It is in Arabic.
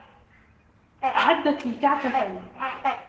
أعدت لي كعكة.